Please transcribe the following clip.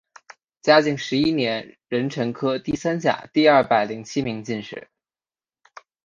嘉靖十一年壬辰科第三甲第二百零七名进士。